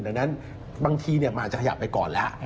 ดังนั้นบางทีมันอาจจะขยับไปก่อนแล้ว